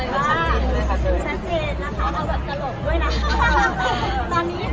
แต่หลังจากเนี่ย